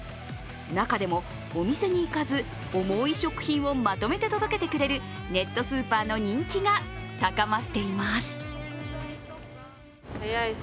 中でも、お店に行かず重い食品をまとめて届けてくれるネットスーパーの人気が高まっています。